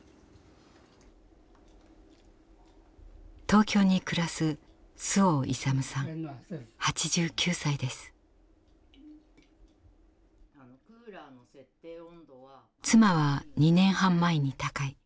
東京に暮らす妻は２年半前に他界。